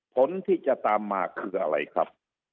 ผลที่จะตามมาคืออะไรครับ